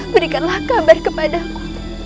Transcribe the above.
berikanlah kabar kepadaku